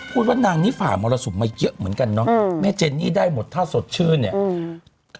ว่านางนี่ฝ่ามรสุมมาเยอะเหมือนกันเนอะแม่เจนนี่ได้หมดถ้าสดชื่นเนี่ยอืม